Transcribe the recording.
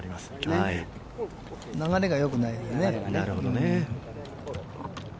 流れがよくないよね。